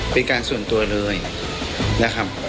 เป็นการส่วนตัวเลยนะครับ